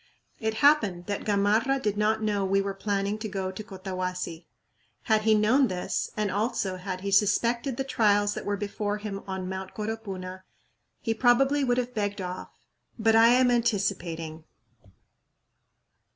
It happened that Gamarra did not know we were planning to go to Cotahuasi. Had he known this, and also had he suspected the trials that were before him on Mt. Coropuna, he probably would have begged off but I am anticipating.